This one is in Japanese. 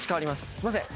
すいません。